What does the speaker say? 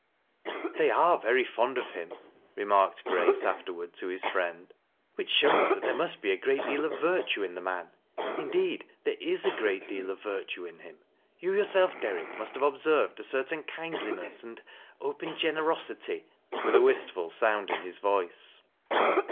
" They are very fond of him," remarked Grace aftei *ard to his friend ;" which shows that there must be a great deal of virtue in the man. Indeed there is a greal deal of virtue in him. You yourself, Derrick, must have obser\'ed a certain kindliness and — and open generosity." with a wistful sound in his voice.